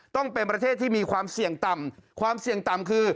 ต้องเป็นประเทศที่มีความเสี่ยงต่ำความเสี่ยงต่ำคือ